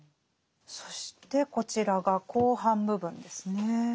そしてこちらが後半部分ですね。